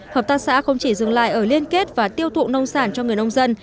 hợp tác xã không chỉ dừng lại ở liên kết và tiêu thụ nông sản cho người nông dân